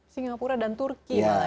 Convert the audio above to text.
singapura dan turki mbak ya